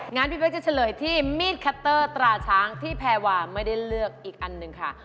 งั้นพี่เป๊กจะเฉลยที่มีดคัตเตอร์ตราช้างที่แพรวาไม่ได้เลือกอีกอันหนึ่งค่ะ